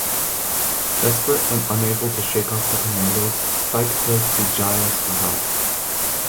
Desperate and unable to shake off the commandos, Spike goes to Giles for help.